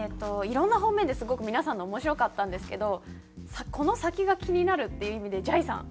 いろんな方面ですごく皆さんの面白かったんですけどこの先が気になるっていう意味でじゃいさん。